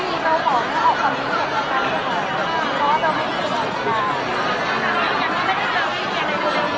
ที่บอง๕๓หน้ากาลเดทางหรือร่านหรืออะไร